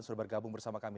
sudah bergabung bersama kami